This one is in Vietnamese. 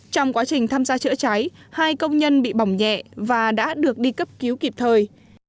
trong quá trình tham gia chữa cháy hai công nhân bị bỏng nhẹ và đã được đi cấp cứu kịp thời